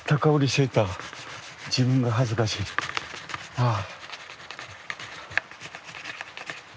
ああ。